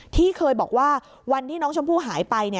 ที่เคยบอกว่าวันที่น้องชมพู่หายไป